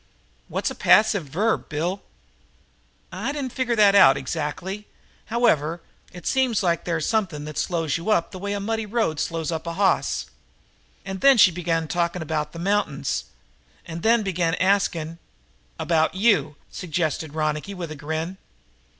"What's a passive verb, Bill?" "I didn't never figure it out, exactly. However, it seems like they're something that slows you up the way a muddy road slows up a hoss. And then she begun talking about the mountains, and then she begun asking "About you!" suggested Ronicky with a grin.